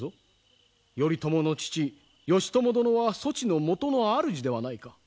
頼朝の父義朝殿はそちの元のあるじではないか。